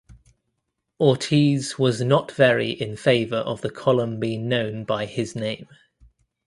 Ortiz was not very in favor of the column being known by his name.